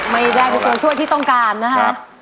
ไม่ได้คนช่วยที่ต้องการนะฮะ